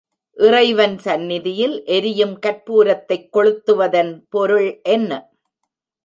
இறைவன் சந்நிதியில் எரியும் கற்பூரத்தைக் கொளுத்துவதன் பொருள் என்ன?